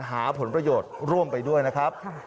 หาผลประโยชน์ร่วมไปด้วยนะครับ